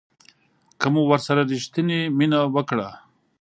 که مو ورسره ریښتینې مینه وکړه